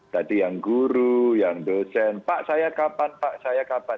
tadi yang guru yang dosen pak saya kapan pak saya kapan